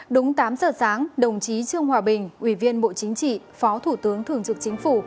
đúng tám giờ sáng đồng chí trương hòa bình ủy viên bộ chính trị phó thủ tướng thường trực chính phủ